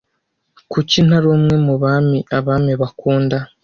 kuki ntari umwe mubami abami bakunda